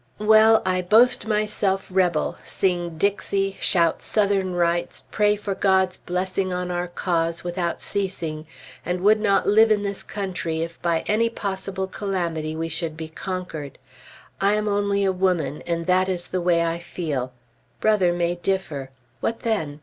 Well! I boast myself Rebel, sing "Dixie," shout Southern Rights, pray for God's blessing on our cause, without ceasing, and would not live in this country if by any possible calamity we should be conquered; I am only a woman, and that is the way I feel. Brother may differ. What then?